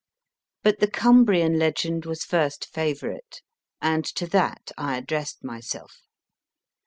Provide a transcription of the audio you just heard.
But the Cumbrian legend was first favourite, and to that I addressed myself.